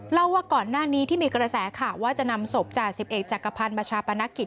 เล่าว่าก่อนหน้านี้ที่มีกระแสข่าวว่าจะนำศพจ่าสิบเอกจักรพันธ์มาชาปนกิจ